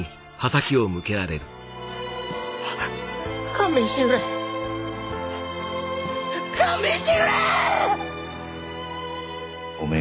勘弁してくれ勘弁してくれぇ！